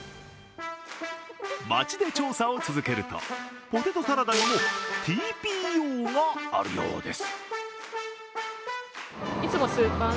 街で調査を続けるとポテトサラダにもＴＰＯがあるようです。